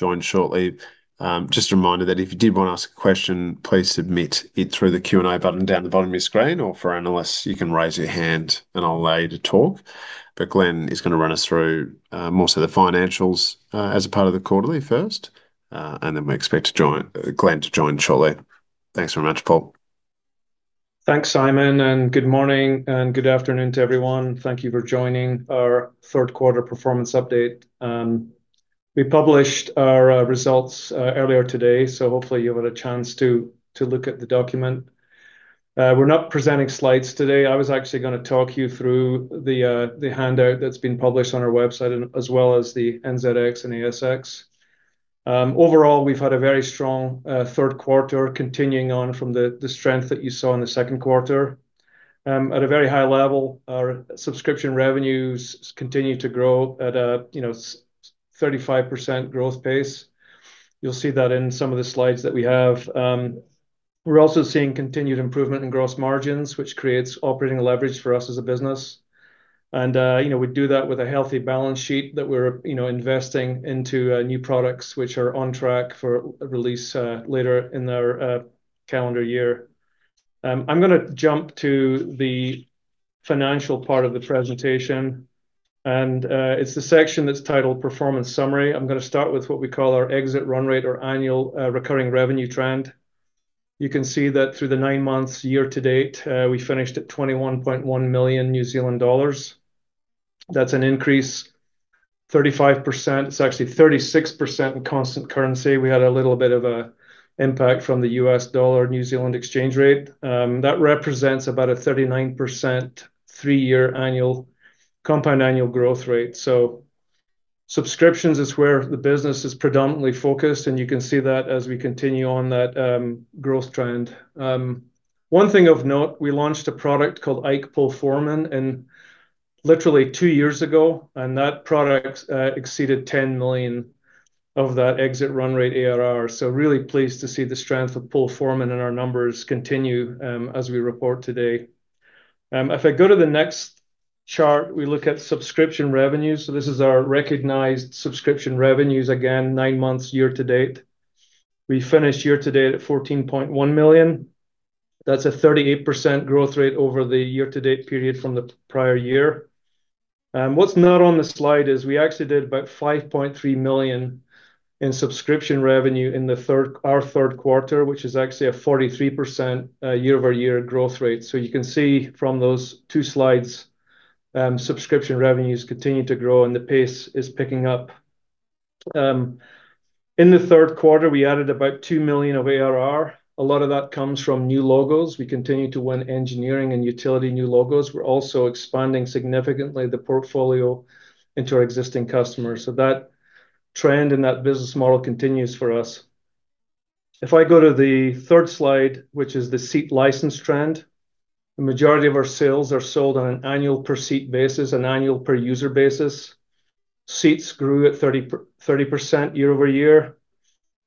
Join shortly. Just a reminder that if you did want to ask a question, please submit it through the Q&A button down the bottom of your screen, or for our analysts, you can raise your hand and I'll allow you to talk. But Glenn is gonna run us through more so the financials as a part of the quarterly first, and then we expect Glenn to join shortly. Thanks very much, Paul. Thanks, Simon, and good morning and good afternoon to everyone. Thank you for joining our Third Quarter performance update. We published our results earlier today, so hopefully you've had a chance to look at the document. We're not presenting slides today. I was actually gonna talk you through the handout that's been published on our website, and as well as the NZX and ASX. Overall, we've had a very strong third quarter, continuing on from the strength that you saw in the second quarter. At a very high level, our subscription revenues continue to grow at a 35% growth pace. You'll see that in some of the slides that we have. We're also seeing continued improvement in gross margins, which creates operating leverage for us as a business, and we do that with a healthy balance sheet that we're you know, investing into new products, which are on track for release later in the calendar year. I'm gonna jump to the financial part of the presentation, and it's the section that's titled Performance Summary. I'm gonna start with what we call our exit run rate or annual recurring revenue trend. You can see that through the nine months year to date, we finished at 21.1 million New Zealand dollars. That's an increase, 35%. It's actually 36% in constant currency. We had a little bit of an impact from the U.S. dollar/New Zealand exchange rate. That represents about a 39% three-year annual compound annual growth rate. Subscriptions is where the business is predominantly focused, and you can see that as we continue on that growth trend. One thing of note, we launched a product called IKE PoleForeman literally two years ago, and that product exceeded $10 million of that exit run rate ARR. Really pleased to see the strength of PoleForeman and our numbers continue as we report today. If I go to the next chart, we look at subscription revenues. This is our recognized subscription revenues, again, nine months year to date. We finished year to date at $14.1 million. That's a 38% growth rate over the year-to-date period from the prior year. What's not on the slide is we actually did about $5.3 million in subscription revenue in the third quarter, which is actually a 43%, year-over-year growth rate. You can see from those two slides, subscription revenues continue to grow, and the pace is picking up. In the third quarter, we added about $2 million of ARR. A lot of that comes from new logos. We continue to win engineering and utility new logos. We're also expanding significantly the portfolio into our existing customers. That trend and that business model continues for us. If I go to the third slide, which is the seat license trend, the majority of our sales are sold on an annual per seat basis, an annual per user basis. Seats grew at 30% year-over-year.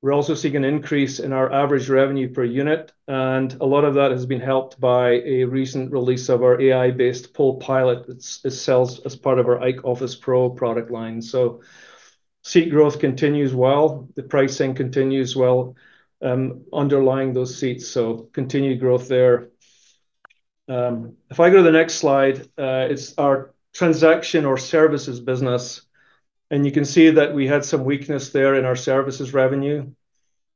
We're also seeing an increase in our average revenue per unit, and a lot of that has been helped by a recent release of our AI-based PolePilot. It sells as part of our IKE Office Pro product line. So seat growth continues well, the pricing continues well, underlying those seats, so continued growth there. If I go to the next slide, it's our transactional services business, and you can see that we had some weakness there in our services revenue.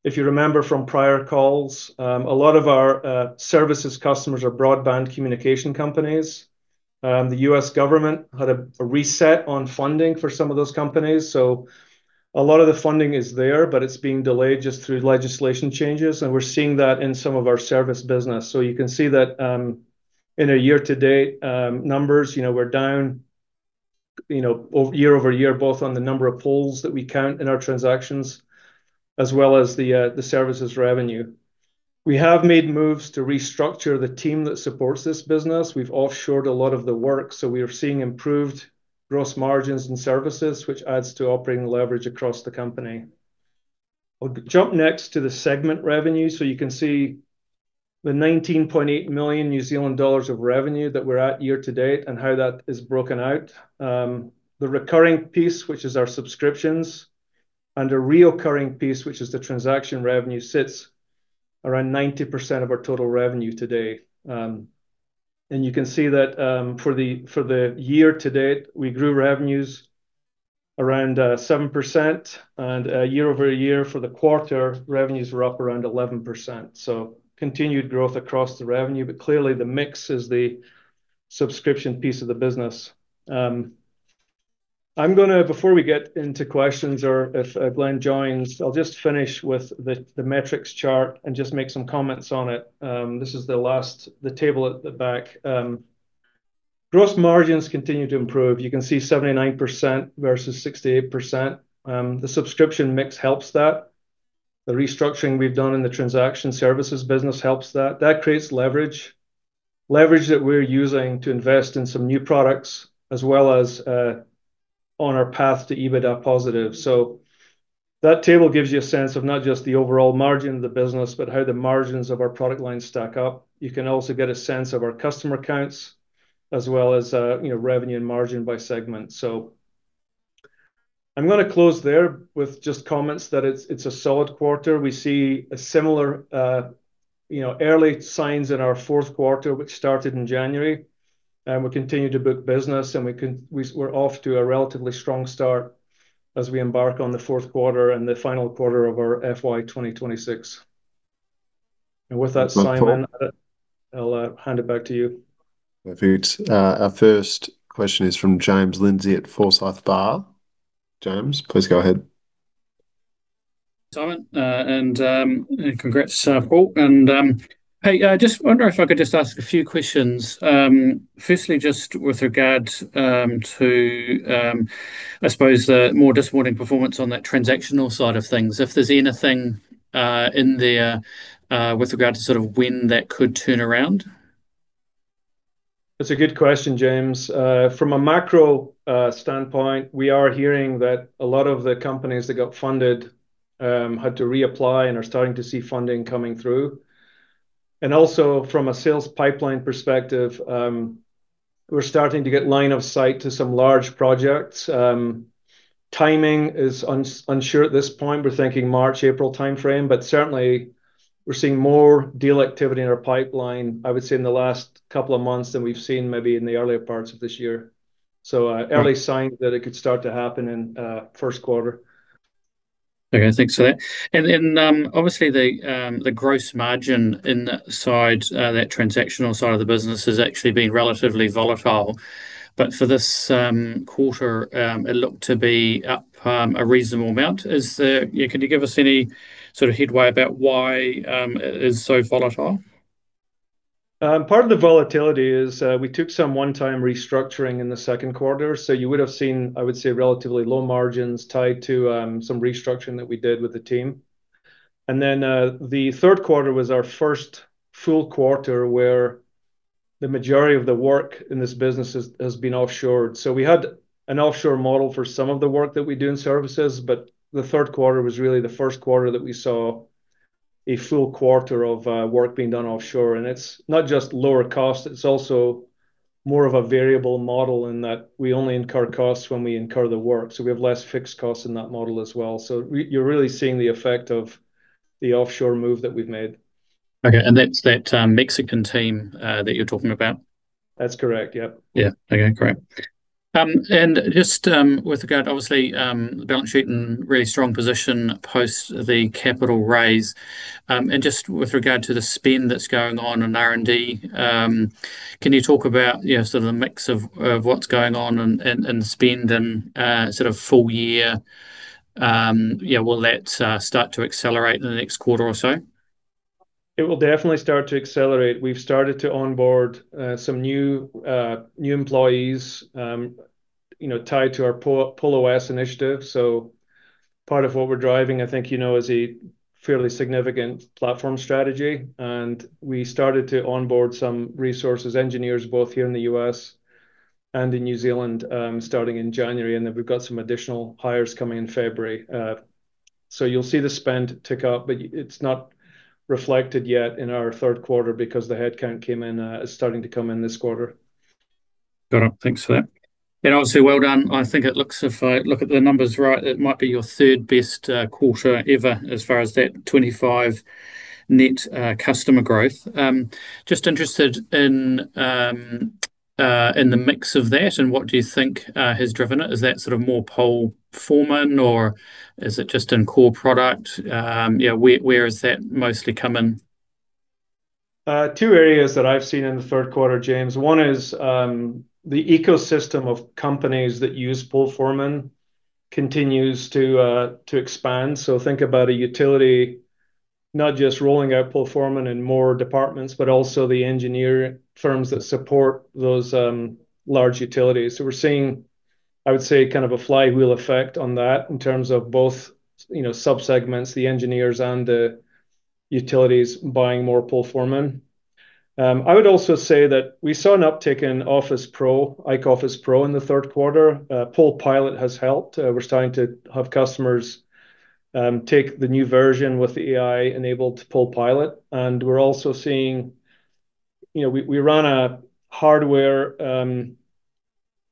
If you remember from prior calls, a lot of our services customers are broadband communication companies. The U.S. government had a reset on funding for some of those companies. A lot of the funding is there, but it's being delayed just through legislation changes, and we're seeing that in some of our service business. You can see that, in a year-to-date numbers, we're down, year-over-year, both on the number of poles that we count in our transactions, as well as the services revenue. We have made moves to restructure the team that supports this business. We've offshored a lot of the work, so we are seeing improved gross margins and services, which adds to operating leverage across the company. I'll jump next to the segment revenue. You can see the 19.8 million New Zealand dollars of revenue that we're at year to date and how that is broken out. The recurring piece, which is our subscriptions, and the recurring piece, which is the transaction revenue, sits around 90% of our total revenue today. You can see that, for the year to date, we grew revenues around 7%, and year-over-year for the quarter, revenues were up around 11%. Continued growth across the revenue, but clearly the mix is the subscription piece of the business. Before we get into questions or if Glenn joins, I'll just finish with the metrics chart and just make some comments on it. This is the last table at the back. Gross margins continue to improve. You can see 79% versus 68%. The subscription mix helps that. The restructuring we've done in the transaction services business helps that. That creates leverage, leverage that we're using to invest in some new products, as well as on our path to EBITDA positive. That table gives you a sense of not just the overall margin of the business, but how the margins of our product lines stack up. You can also get a sense of our customer counts, as well as, revenue and margin by segment. I'm gonna close there with just comments that it's a solid quarter. We see a similar, early signs in our fourth quarter, which started in January, and we continue to book business, and we're off to a relatively strong start as we embark on the fourth quarter and the final quarter of our FY 2026. With that, Simon. Thanks, Paul I'll hand it back to you. Thanks, our first question is from James Lindsay at Forsyth Barr. James, please go ahead. Simon, and congrats, Paul. Hey, I just wonder if I could just ask a few questions. Firstly, just with regard to, I suppose the more disappointing performance on that transactional side of things, if there's anything in there with regard to sort of when that could turn around? That's a good question, James. From a macro standpoint, we are hearing that a lot of the companies that got funded had to reapply and are starting to see funding coming through. Also from a sales pipeline perspective, we're starting to get line of sight to some large projects. Timing is unsure at this point. We're thinking March, April timeframe, but certainly we're seeing more deal activity in our pipeline, I would say, in the last couple of months than we've seen maybe in the earlier parts of this year. So,- Yeah -early signs that it could start to happen in first quarter. Okay, thanks for that. Then, obviously, the gross margin in that side, that transactional side of the business has actually been relatively volatile. But for this quarter, it looked to be up a reasonable amount. Is there, can you give us any sort of headway about why it is so volatile? Part of the volatility is, we took some one-time restructuring in the second quarter, so you would have seen, I would say, relatively low margins tied to, some restructuring that we did with the team. Then, the third quarter was our first full quarter where the majority of the work in this business has been offshored. We had an offshore model for some of the work that we do in services, but the third quarter was really the first quarter that we saw a full quarter of, work being done offshore. It's not just lower cost, it's also more of a variable model in that we only incur costs when we incur the work. We have less fixed costs in that model as well. So you're really seeing the effect of the offshore move that we've made. Okay, and that's that, Mexican team, that you're talking about? That's correct. Yep. Yeah. Okay, great. Just with regard, obviously, the balance sheet in really strong position post the capital raise. Just with regard to the spend that's going on in R&D, can you talk about, sort of the mix of what's going on and spend and sort of full year? Yeah, will that start to accelerate in the next quarter or so? It will definitely start to accelerate. We've started to onboard some new employees, tied to our PoleOS initiative. Part of what we're driving, is a fairly significant platform strategy, and we started to onboard some resource engineers, both here in the U.S. and in New Zealand, starting in January, and then we've got some additional hires coming in February. You'll see the spend tick up, but it's not reflected yet in our third quarter because the headcount came in, is starting to come in this quarter. Got it. Thanks for that. Obviously, well done. I think it looks, if I look at the numbers right, it might be your third best quarter ever as far as that 25 net customer growth. Just interested in the mix of that, and what do you think has driven it? Is that sort of more PoleForeman or is it just in core product? Yeah, where is that mostly come in? Two areas that I've seen in the third quarter, James. One is, the ecosystem of companies that use PoleForeman continues to expand. Think about a utility, not just rolling out PoleForeman in more departments, but also the engineering firms that support those, large utilities. We're seeing, kind of a flywheel effect on that in terms of both, subsegments, the engineers and the utilities buying more PoleForeman. I would also say that we saw an uptick in Office Pro, IKE Office Pro in the third quarter. PolePilot has helped. We're starting to have customers, take the new version with the AI-enabled PolePilot, and we're also seeing. We run a hardware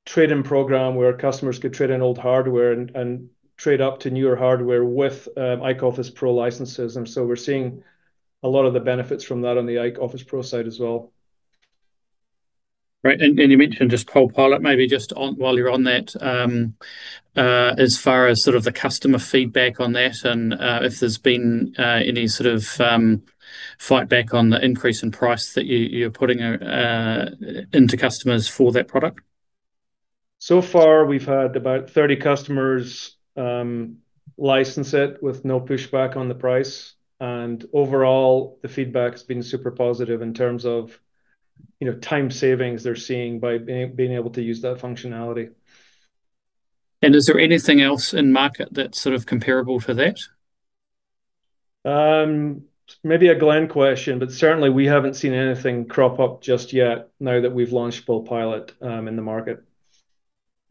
trade-in program where customers could trade in old hardware and trade up to newer hardware with IKE Office Pro licenses, and so we're seeing a lot of the benefits from that on the IKE Office Pro side as well. Right, and you mentioned just PolePilot, maybe just on, while you're on that, as far as sort of the customer feedback on that and, if there's been, any sort of, fight back on the increase in price that you, you're putting, into customers for that product? So far, we've had about 30 customers license it with no pushback on the price, and overall, the feedback has been super positive in terms of, time savings they're seeing by being able to use that functionality. Is there anything else in market that's sort of comparable to that? Maybe a Glenn question, but certainly we haven't seen anything crop up just yet now that we've launched PolePilot in the market.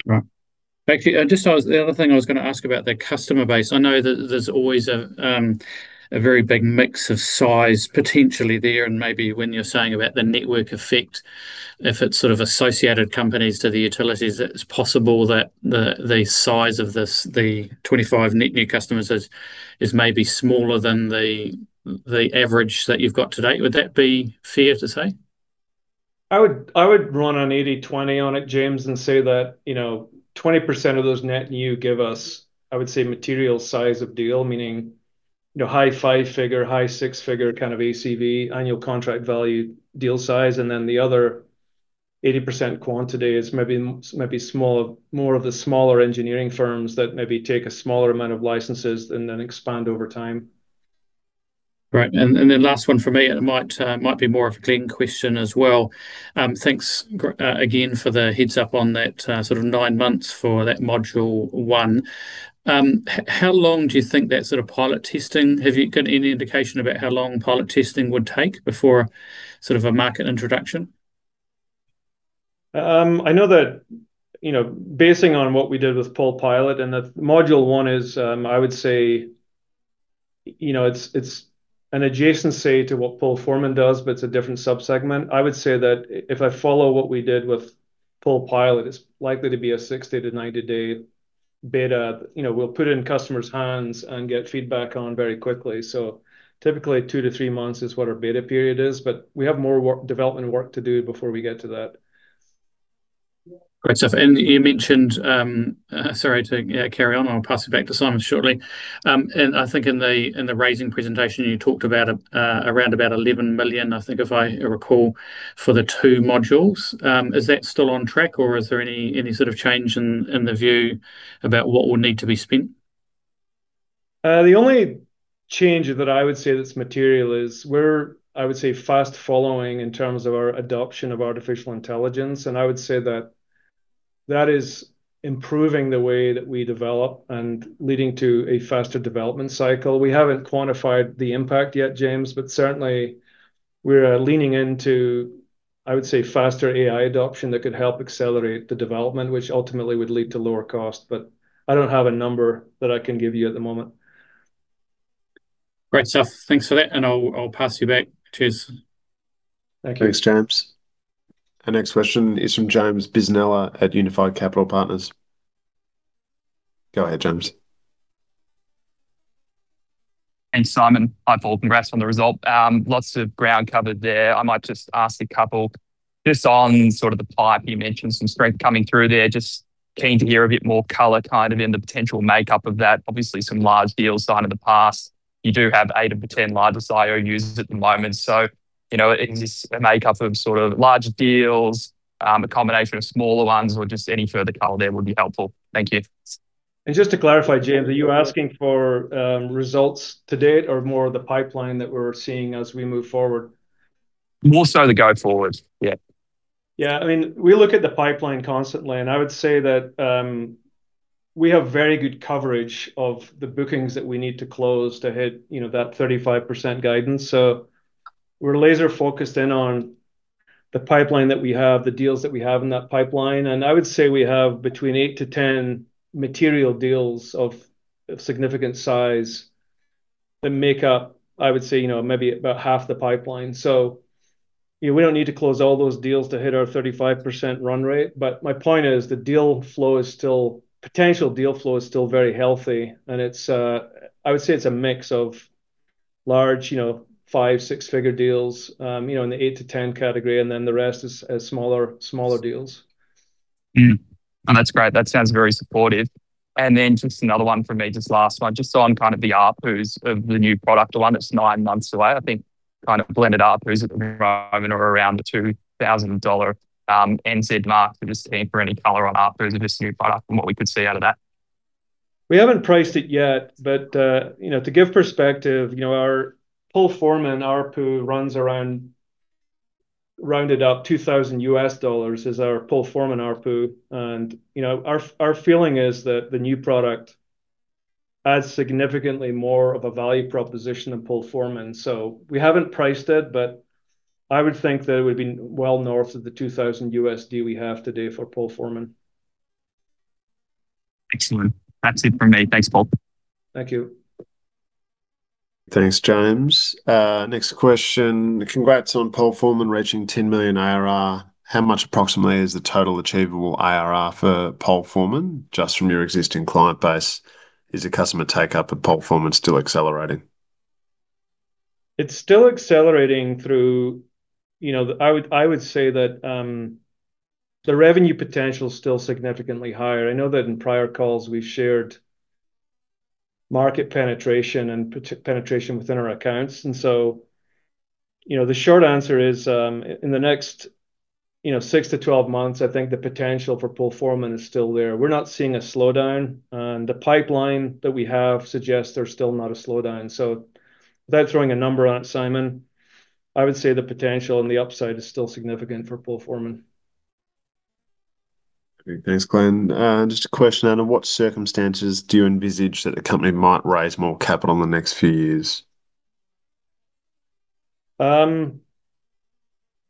Right. Actually, just, the other thing I was gonna ask about the customer base, I know that there's always a, a very big mix of size potentially there, and maybe when you're saying about the network effect, if it's sort of associated companies to the utilities, it's possible that the, the size of this, the 25 net new customers is, is maybe smaller than the, the average that you've got to date. Would that be fair to say? I would run an 80/20 on it, James, and say that, you know, 20% of those net new give us, I would say, material size of deal, meaning, high five-figure, high six-figure kind of ACV, annual contract value, deal size, and then the other 80% quantity is maybe, maybe smaller, more of the smaller engineering firms that maybe take a smaller amount of licenses and then expand over time. Right. Then last one from me, and it might be more of a Glenn question as well. Thanks, again, for the heads-up on that, sort of nine months for that module one. How long do you think that sort of pilot testing... Have you got any indication about how long pilot testing would take before sort of a market introduction? I know that, based on what we did with PolePilot, and that module one is, I would say,, it's an adjacency to what PoleForeman does, but it's a different sub-segment. I would say that if I follow what we did with PolePilot, it's likely to be a 60-90-day beta. We'll put it in customers' hands and get feedback on very quickly. Typically, 2 months-3 months is what our beta period is, but we have more work, development work to do before we get to that. Great stuff. You mentioned, sorry to carry on, I'll pass it back to Simon shortly. In the raising presentation, you talked about around about 11 million, I think, if I recall, for the two modules. Is that still on track, or is there any sort of change in the view about what would need to be spent? The only change that I would say that's material is we're, I would say, fast following in terms of our adoption of artificial intelligence, and I would say that that is improving the way that we develop and leading to a faster development cycle. We haven't quantified the impact yet, James, but certainly we're leaning into, I would say, faster AI adoption that could help accelerate the development, which ultimately would lead to lower cost, but I don't have a number that I can give you at the moment. Great stuff. Thanks for that, and I'll pass you back. Cheers. Thank you. Thanks, James. Our next question is from James Bisinella at Unified Capital Partners. Go ahead, James. Thanks, Simon. Hi, Paul. Congrats on the result. Lots of ground covered there. I might just ask a couple. Just on sort of the pipe, you mentioned some strength coming through there. Just keen to hear a bit more color, kind of in the potential makeup of that. Obviously, some large deals signed in the past. You do have 8 of the 10 largest IOUs at the moment, is this a makeup of sort of larger deals, a combination of smaller ones, or just any further color there would be helpful? Thank you. Just to clarify, James, are you asking for, results to date or more of the pipeline that we're seeing as we move forward? More so the go forward. Yeah. Yeah. I mean, we look at the pipeline constantly, and I would say that we have very good coverage of the bookings that we need to close to hit, you know, that 35% guidance. So we're laser focused in on the pipeline that we have, the deals that we have in that pipeline, and I would say we have between 8-10 material deals of significant size that make up, I would say, you know, maybe about half the pipeline. So, you know, we don't need to close all those deals to hit our 35% run rate. But my point is, the deal flow is still potential deal flow is still very healthy, and it's I would say it's a mix of large, you know, five-, six-figure deals, you know, in the 8-10 category, and then the rest is smaller deals. Mm. That's great. That sounds very supportive. Then just another one from me, just last one. Just on kind of the ARPUs of the new product, the one that's nine months away, I think kind of blended ARPUs at the moment are around the 2000 dollar mark. I'm just keen for any color on ARPUs of this new product and what we could see out of that. We haven't priced it yet, but you know, to give perspective, you know, our PoleForeman ARPU runs around, rounded up, $2,000 is our PoleForeman ARPU. Our feeling is that the new product adds significantly more of a value proposition than PoleForeman. So we haven't priced it, but I would think that it would be well north of the $2,000 we have today for PoleForeman. Excellent. That's it from me. Thanks, Paul. Thank you. Thanks, James. Next question: Congrats on Pole Foreman reaching $10 million ARR. How much approximately is the total achievable ARR for Pole Foreman just from your existing client base? Is the customer take-up of Pole Foreman still accelerating? It's still accelerating through. You know, I would say that the revenue potential is still significantly higher. I know that in prior calls we've shared market penetration and penetration within our accounts, and so, you know, the short answer is, in the next, you know, 6 months-12 months, I think the potential for PoleForeman is still there. We're not seeing a slowdown, and the pipeline that we have suggests there's still not a slowdown. So without throwing a number on it, Simon, I would say the potential and the upside is still significant for PoleForeman. Great. Thanks, Glenn. Just a question, under what circumstances do you envisage that the company might raise more capital in the next few years?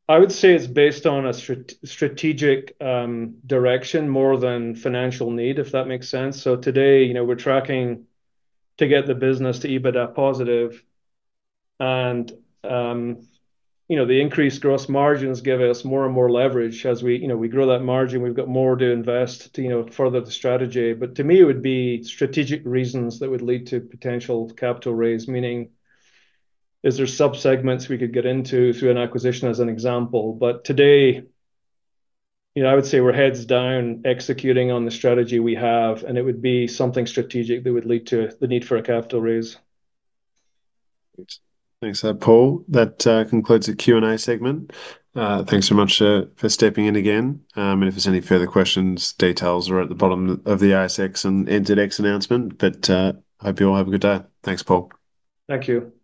I would say it's based on a strategic direction more than financial need, if that makes sense. So today, you know, we're tracking to get the business to EBITDA positive, and, you know, the increased gross margins give us more and more leverage. As we, you know, we grow that margin, we've got more to invest to, you know, further the strategy. But to me, it would be strategic reasons that would lead to potential capital raise, meaning, is there sub-segments we could get into through an acquisition, as an example. But today, you know, I would say we're heads down, executing on the strategy we have, and it would be something strategic that would lead to the need for a capital raise. Thanks, Paul. That concludes the Q&A segment. Thanks so much for stepping in again, and if there's any further questions, details are at the bottom of the ASX and NZX announcement. But hope you all have a good day. Thanks, Paul. Thank you. Bye.